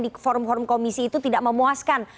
di forum forum komisi itu tidak memuaskan